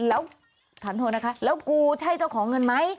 แล้วฉันโทรนะคะแล้วกูใช่เจ้าของเงินไหม